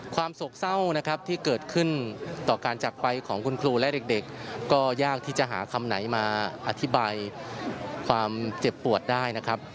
โศกเศร้านะครับที่เกิดขึ้นต่อการจักรไปของคุณครูและเด็กก็ยากที่จะหาคำไหนมาอธิบายความเจ็บปวดได้นะครับ